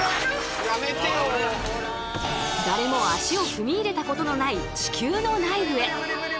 誰も足を踏み入れたことのない地球の内部へ！